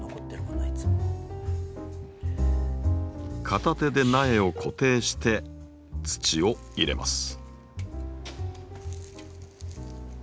片手で苗を固定して土を入れます。